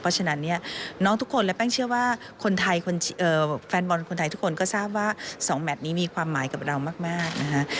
เพราะฉะนั้นเนี่ยน้องทุกคนและแป้งเชื่อว่าคนไทยแฟนบอลคนไทยทุกคนก็ทราบว่า๒แมทนี้มีความหมายกับเรามากนะคะ